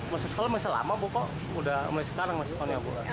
masuk sekolah masih lama bu kok udah mulai sekarang masukannya bu